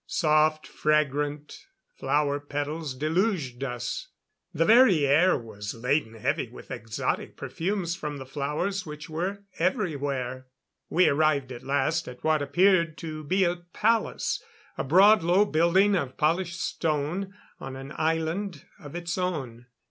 Soft, fragrant flower petals deluged us. The very air was laden heavy with exotic perfumes from the flowers which were everywhere. We arrived at last at what appeared to be a palace a broad, low building of polished stone, on an island of its own.